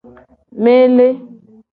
Mele.